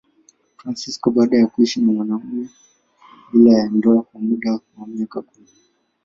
Fransisko baada ya kuishi na mwanamume bila ya ndoa kwa muda wa miaka kumi.